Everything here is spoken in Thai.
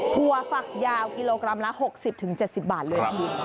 ถั่วฝักยาวกิโลกรัมละ๖๐๗๐บาทเลยพี่